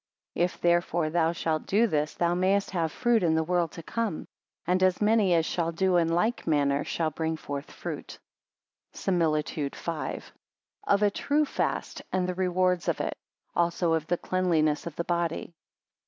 9 If, therefore, thou shalt do this, thou mayest have fruit in the world to come; and as many as shall do in like manner, shall bring forth fruit. SIMILITUDE V. Of a true fast, and the rewards of it: also of the cleanliness of the body.